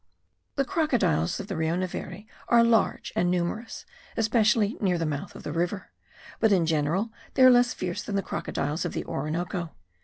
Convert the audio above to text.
The crocodiles of the Rio Neveri are large and numerous, especially near the mouth of the river; but in general they are less fierce than the crocodiles of the Orinoco.